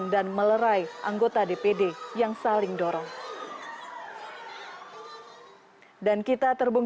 dan melalui anggota dpd yang saling dorong